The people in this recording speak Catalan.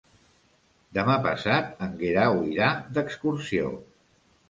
Demà passat en Guerau irà d'excursió.